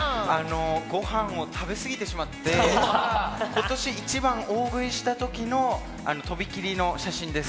ご飯を食べ過ぎてしまって、今年一番、大食いした時のとびっきりの写真です。